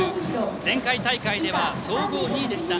前回大会では総合２位でした。